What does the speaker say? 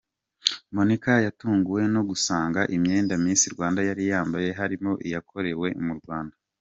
Monika yatunguwe no gusanga imyenda Miss Rwanda yari yambaye harimo iyakorewe mu Rwanda.